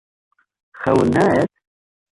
خەوت نایەت؟